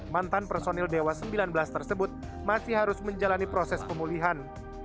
mantan personil dewa sembilan belas tersebut masih harus menjalani proses pemulihan